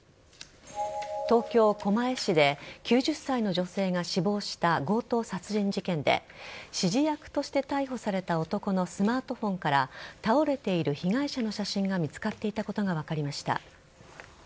東京・狛江市で９０歳の女性が死亡した強盗殺人事件で指示役として逮捕された男のスマートフォンから倒れている被害者の写真が見つかっていたことが分かりました。